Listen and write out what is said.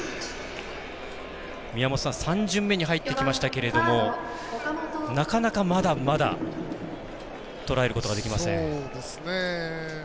宮本さん、３巡目に入ってきましたけれどもなかなか、まだまだとらえることができません。